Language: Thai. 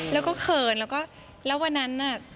แล้วก็เขินแล้วก็แล้ววันนั้นน่ะ